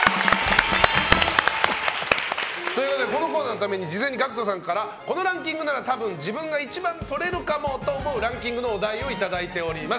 このコーナーのために事前にＧＡＣＫＴさんからこのランキングなら多分自分が一番とれるかもというランキングのお題をいただいております。